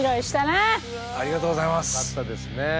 よかったですね。